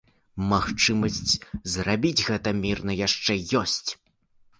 Магчымасць зрабіць гэта мірна яшчэ ёсць.